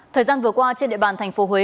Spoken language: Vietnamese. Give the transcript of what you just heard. thời gian vừa qua trên địa bàn tp huế